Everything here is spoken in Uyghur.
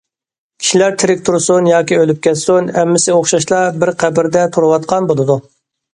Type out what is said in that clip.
كىشىلەر تىرىك تۇرسۇن ياكى ئۆلۈپ كەتسۇن، ھەممىسى ئوخشاشلا بىر قەبرىدە تۇرۇۋاتقان بولىدۇ.